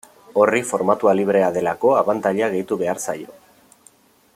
Horri formatua librea delako abantaila gehitu behar zaio.